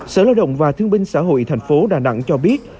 sở lợi đồng và thương binh xã hội thành phố đà nẵng cho biết